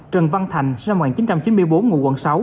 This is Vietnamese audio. trần văn thành sinh năm một nghìn chín trăm chín mươi bốn ngụ quận sáu